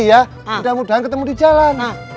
ya mudah mudahan ketemu di jalan